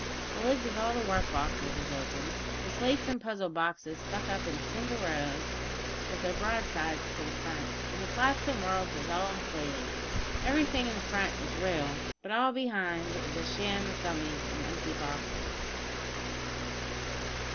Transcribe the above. The lids of all the work boxes is open, the slates and puzzle boxes stuck up in single rows, with their broadsides to the front, and the collapsin' worlds is all inflated. Everything in the front is real, but all behind is sham dummies an' empty boxes."